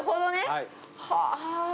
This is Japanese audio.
はい！